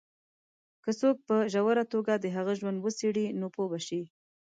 که څوک په ژوره توګه د هغه ژوند وڅېـړي، نو پوه به شي.